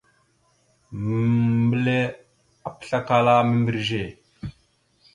Mbelle apəslakala membreze.